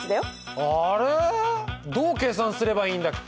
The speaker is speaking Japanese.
どう計算すればいいんだっけ？